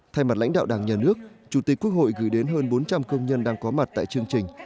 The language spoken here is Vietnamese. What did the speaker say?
thay mặt lãnh đạo đảng nhà nước chủ tịch quốc hội gửi đến hơn bốn trăm linh công nhân đang có mặt tại chương trình